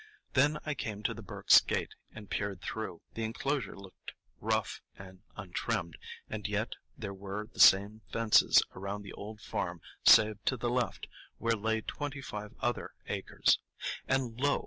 Then I came to the Burkes' gate and peered through; the enclosure looked rough and untrimmed, and yet there were the same fences around the old farm save to the left, where lay twenty five other acres. And lo!